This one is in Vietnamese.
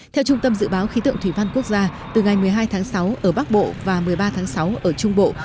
theo trung tâm dự báo khí tượng thủy văn quốc gia từ ngày một mươi hai tháng sáu ở bắc bộ và một mươi ba tháng sáu ở trung bộ